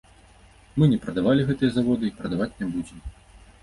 Мы не прадавалі гэтыя заводы і прадаваць не будзем.